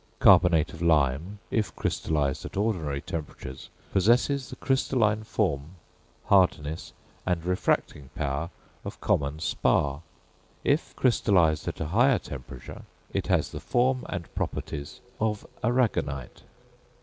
Carbonate of lime, if crystallised at ordinary temperatures, possesses the crystalline form, hardness, and refracting power of common spar; if crystallised at a higher temperature, it has the form and properties of arragonite.